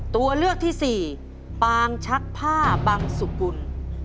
ตัวเลือกที่สี่ปางชักผ้าบางสุกุล